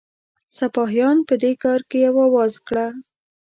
سپاهیان په دې کار کې یو آواز کړه.